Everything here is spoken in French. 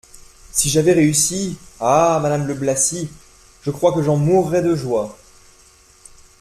Si j'avais réussi ! Ah ! madame de Blacy, je crois que j'en mourrais de joie.